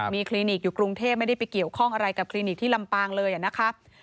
มีคลินิกอยู่กรุงเทพไม่ได้ไปเกี่ยวข้องอะไรกับคลินิกที่ลำปางเลยนะครับ